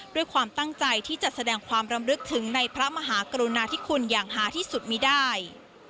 ด้วยความตั้งใจที่จะแสดงความรำลึกถึงในพระมหากรุณาธิคุณอย่างหาที่สุดมีได้